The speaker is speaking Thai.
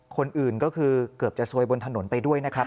คนอื่นก็คือเกือบจะซวยบนถนนไปด้วยนะครับ